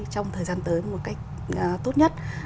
trong thời gian tới một cách tốt nhất